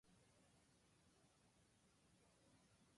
もうすぐクリスマスだ